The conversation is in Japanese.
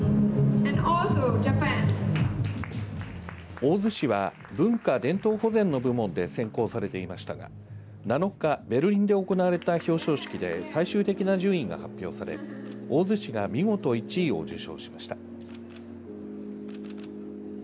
大洲市は文化・伝統保全の部門で選考されていましたが７日ベルリンで行われた表彰式で最終的な順位が発表され大洲市が見事１位を受賞しました。